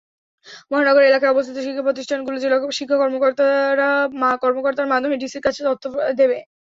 মহানগর এলাকায় অবস্থিত শিক্ষাপ্রতিষ্ঠানগুলো জেলা শিক্ষা কর্মকর্তার মাধ্যমে ডিসির কাছে তথ্য দেবে।